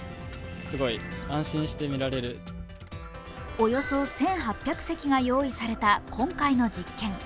およそ１８００席が用意された今回の実験。